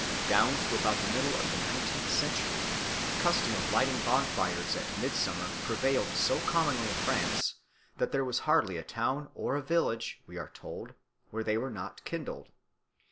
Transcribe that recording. Down to about the middle of the nineteenth century the custom of lighting bonfires at midsummer prevailed so commonly in France that there was hardly a town or a village, we are told, where they were not kindled.